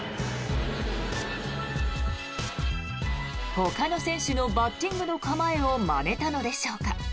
ほかの選手のバッティングの構えをまねたのでしょうか。